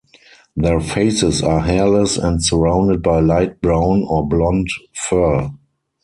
Their faces are hairless and surrounded by light brown or blonde fur.